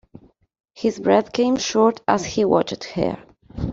His breath came short as he watched her.